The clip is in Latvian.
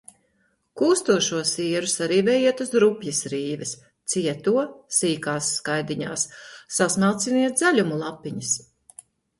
Kūstošo sieru sarīvējiet uz rupjas rīves, cieto – sīkās skaidiņās, sasmalciniet zaļumu lapiņas.